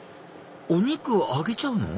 お肉揚げちゃうの？